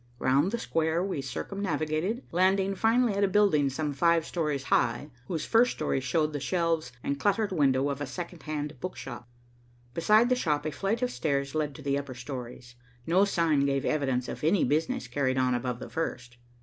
Round the square we circumnavigated, landing finally at a building some five stories high, whose first story showed the shelves and cluttered window of a second hand book shop. Beside the shop a flight of stairs led to the upper stories. No sign gave evidence of any business carried on above the first.